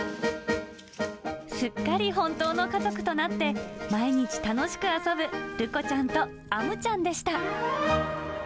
すっかり本当の家族となって、毎日楽しく遊ぶるこちゃんとあむちゃんでした。